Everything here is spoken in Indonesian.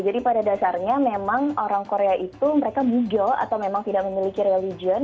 jadi pada dasarnya memang orang korea itu mereka bujel atau memang tidak memiliki religion